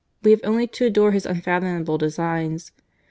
We have only to adore His unfathomable designs.